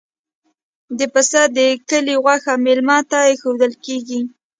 د پسه د کلي غوښه میلمه ته ایښودل کیږي.